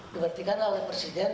diberhentikan oleh presiden